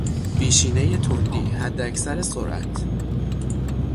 بیشینهی تندی، حداکثر سرعت